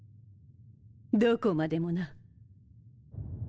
どこまでもな。